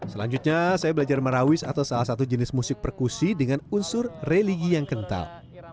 selanjutnya saya belajar marawis atau salah satu jenis musik perkusi dengan unsur religi yang kental